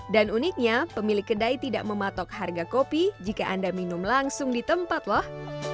dan uniknya pemilik kedai tidak mematok harga kopi jika anda minum langsung di tempat loh